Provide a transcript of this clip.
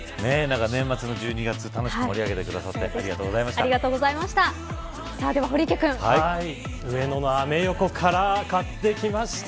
年末の１２月楽しく盛り上げてくださってありがとうございました。